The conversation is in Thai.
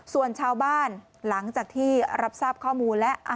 ส่วนชาวบ้านหลังจากที่รับทราบข้อมูลแล้ว